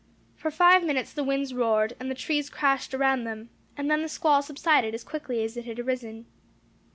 For five minutes the winds roared, and the trees crashed around them; and then the squall subsided as quickly as it had arisen.